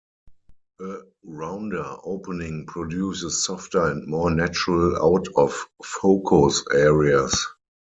A rounder opening produces softer and more natural out-of-focus areas.